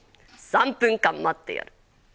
３分間待ってやる。